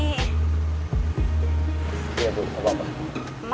iya bu apa apa